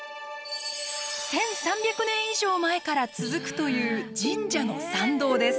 １，３００年以上前から続くという神社の参道です。